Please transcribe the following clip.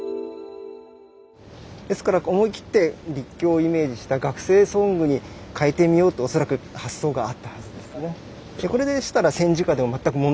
ですから思い切って立教をイメージした学生ソングに変えてみようと恐らく発想があったはずですね。